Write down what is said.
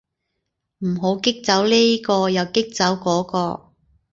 唔好激走呢個又激走嗰個